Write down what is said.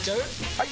・はい！